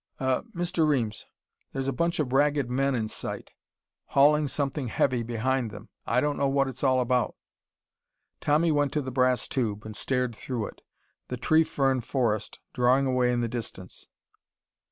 "Uh Mr. Reames. There's a bunch of Ragged Men in sight, hauling something heavy behind them. I don't know what it's all about." Tommy went to the brass tube and stared through it. The tree fern forest, drawing away in the distance.